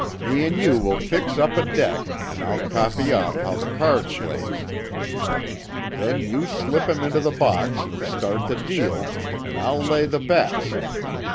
Me an' you will fix up a deck, an' I'll copy off how the cards lays. Then you slip 'em into the box an' start the deal, an' I'll lay the bets.